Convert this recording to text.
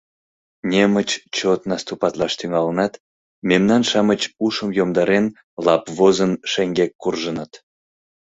Немыч чот наступатлаш тӱҥалынат, мемнан-шамыч, ушым йомдарен, лап возын, шеҥгек куржыныт.